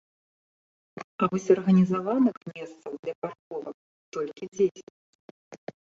А вось арганізаваных месцаў для парковак толькі дзесяць.